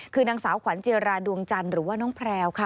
คือนางสาวขวัญเจราดวงจันทร์หรือว่าน้องแพรวค่ะ